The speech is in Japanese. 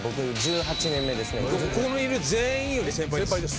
ここにいる全員より先輩です。